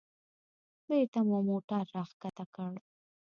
بېرته مو موټر راښکته کړ.